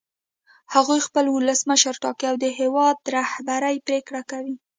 هغوی خپل ولسمشر ټاکي او د هېواد رهبري پرېکړه کوي.